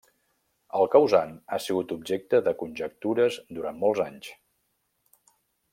El causant ha sigut objecte de conjectures durant molts anys.